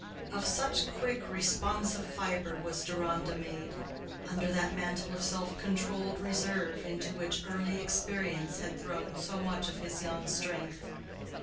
Of such quick, responsive fibre was Deronda made, under that mantle of self controlled reserve into which early experience had thrown so much of his young strength.